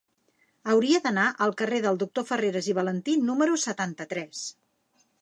Hauria d'anar al carrer del Doctor Farreras i Valentí número setanta-tres.